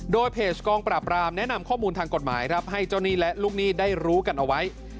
โดยเพจกองปราบรามแนะนำข้อมูลทางกฎหมายครับให้เจ้าหนี้และลูกหนี้ได้รู้กันเอาไว้